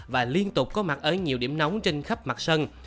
và liên tục có mặt ở nhiều điểm nóng trên khắp mặt sân